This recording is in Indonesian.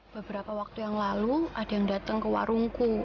beberapa waktu yang lalu ada yang datang ke warungku